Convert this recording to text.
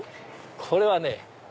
これはね